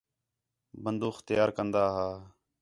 بندوخ تیار کن٘دا ہا